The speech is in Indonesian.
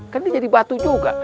kan dia jadi batu juga